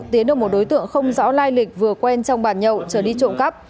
tiến được một đối tượng không rõ lai lịch vừa quen trong bàn nhậu trở đi trộm cắp